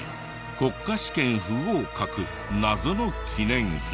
国家試験不合格謎の記念碑。